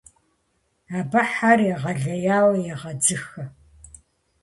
Абы хьэр егъэлеяуэ егъэдзыхэ.